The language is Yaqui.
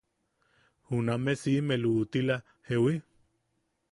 Juname siʼime luʼutila ¿jewi?